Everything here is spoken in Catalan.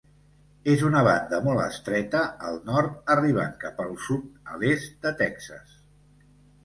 És una banda molt estreta al nord arribant cap al sud a l'est de Texas.